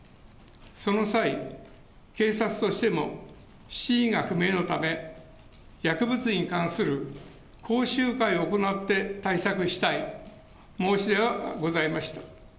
その際、警察としても真偽が不明のため、薬物に関する講習会を行って対策したい申し出がございました。